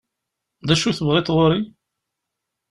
D acu i tebɣiḍ ɣur-i?